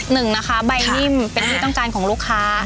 หนึ่งนะคะใบนิ่มเป็นที่ต้องการของลูกค้า